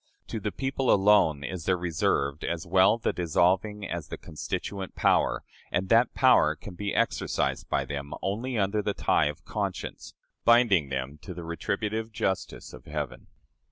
To the people alone is there reserved as well the dissolving as the constituent power, and that power can be exercised by them only under the tie of conscience, binding them to the retributive justice of Heaven.